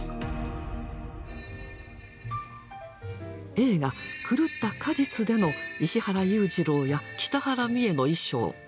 映画「狂った果実」での石原裕次郎や北原三枝の衣装。